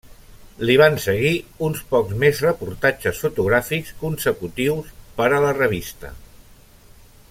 Li van seguir uns pocs més reportatges fotogràfics consecutius per a la revista.